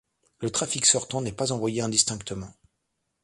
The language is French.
Le trafic sortant n'est pas envoyé indistinctement.